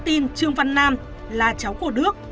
tin trương văn nam là cháu của đức